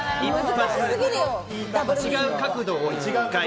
違う角度を１回。